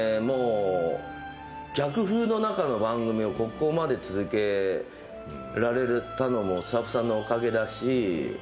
逆風の中の番組をここまで続けられたのもスタッフさんのおかげだし。